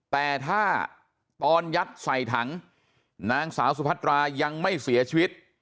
แต่ถ้าตอนยัดใส่ถังนางสาวสุพัตรายังไม่เสียชีวิต